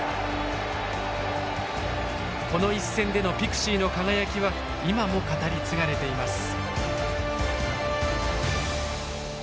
この一戦でのピクシーの輝きは今も語り継がれています。